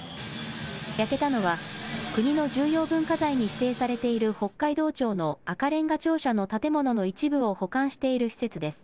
焼けたのは、国の重要文化財に指定されている北海道庁の赤れんが庁舎の建物の一部を保管している施設です。